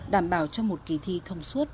đảm bảo cho một kỳ thi thông suốt